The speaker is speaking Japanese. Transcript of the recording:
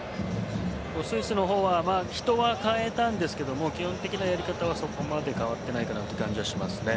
スイスの方は人は代えましたが基本的なやり方はそこまで変わっていないという感じがしますね。